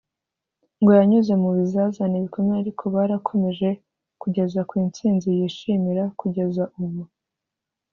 ngo yanyuze mu bizazane bikomeye ariko barakomeje kugeza ku itsinzi yishimira kugeza ubu